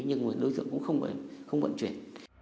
nhưng mà đối tượng cũng không vận chuyển